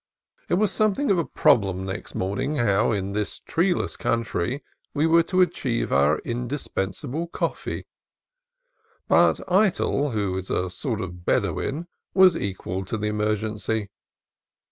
It was something of a problem next morning how in this treeless country we were to achieve our indispensable coffee. But Eytel, who is a sort of Bedouin, was equal to the emergency.